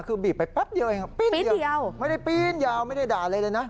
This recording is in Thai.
คือบีบไปปั๊บเดียวไม่ได้ปีนยาวไม่ได้ด่าอะไรเลยนะ